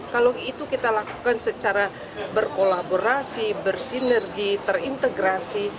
kalau itu kita lakukan secara berkolaborasi bersinergi terintegrasi